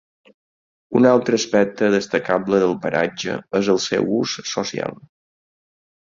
Un altre aspecte destacable del paratge és el seu ús social.